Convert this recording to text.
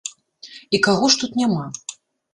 І каго ж тут няма?